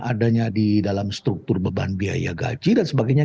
adanya di dalam struktur beban biaya gaji dan sebagainya